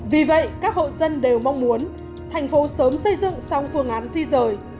vì vậy các hộ dân đều mong muốn thành phố sớm xây dựng xong phương án di rời